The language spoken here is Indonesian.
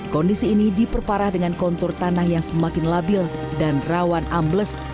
kondisi ini diperparah dengan kontur tanah yang semakin labil dan rawan ambles